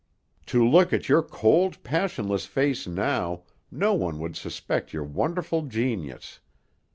To look at your cold, passionless face now, no one would suspect your wonderful genius.